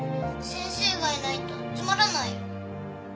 先生がいないとつまらないよ。